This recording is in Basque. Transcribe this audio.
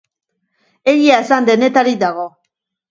Egia esan, denetarik dago.